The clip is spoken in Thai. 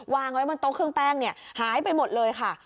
วางไว้บนโต๊ะเครื่องแป้งเนี่ยหายไปหมดเลยค่ะ